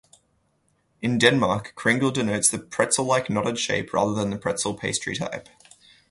In Denmark, "kringle" denotes the pretzel-like knotted shape rather than the pretzel pastry type.